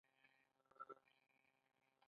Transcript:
د کامدیش ولسوالۍ ځنګلونه لري